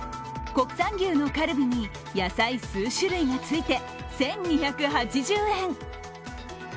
国産牛のカルビに野菜数種類がついて１２８０円。